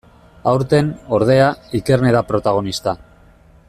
Aurten, ordea, Ikerne da protagonista.